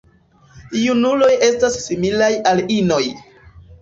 Junuloj estas similaj al inoj.